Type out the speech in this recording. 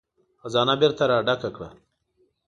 خزانه بېرته را ډکه کړه.